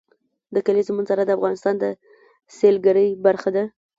د کلیزو منظره د افغانستان د سیلګرۍ برخه ده.